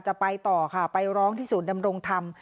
ไปต่อค่ะไปร้องที่ศูนย์ดำรงธรรม